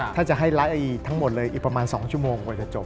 ถ้าจะให้ไลฟ์ทั้งหมดเลยอีกประมาณ๒ชั่วโมงกว่าจะจบ